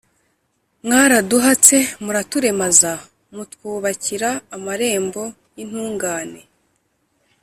.Mwaraduhatse muraturemaza, Mutwubakira amarembo y’intungane